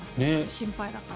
心配だから。